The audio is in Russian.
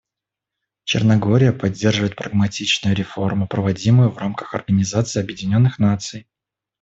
Черногория поддерживает прагматичную реформу, проводимую в рамках Организации Объединенных Наций.